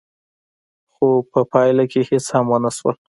خو په پايله کې هېڅ هم ونه شول.